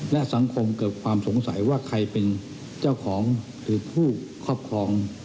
และสังคมเกิดความสงสัยว่าใครเป็นเจ้าของหรือผู้ครอบครอง